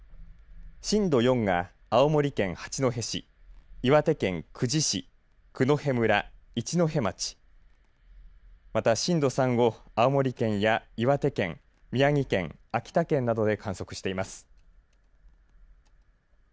震度４が青森県八戸市岩手県久慈市九戸村、一戸町また震度３を青森県や岩手県、宮城県、秋田県などで観測しています。